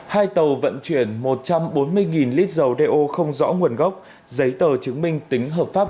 hai tàu vận chuyển một trăm bốn mươi lít dầu đeo không rõ nguồn gốc giấy tờ chứng minh tính hợp pháp